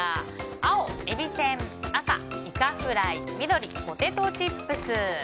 青、えびせん赤、イカフライ緑、ポテトチップス。